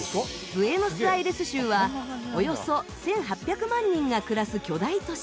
ブエノス・アイレス州はおよそ１８００万人が暮らす巨大都市。